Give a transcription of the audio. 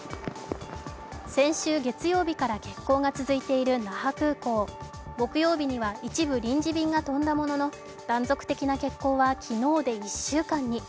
先週月曜日から欠航が続いている那覇空港木曜日には一時臨時便が飛んだものの断続的な欠航は昨日で１週間に。